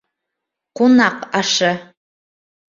ҠУНАҠ АШЫ